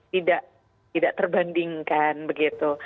tidak tidak terbandingkan begitu